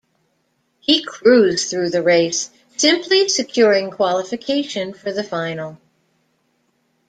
He cruised through the race, simply securing qualification for the final.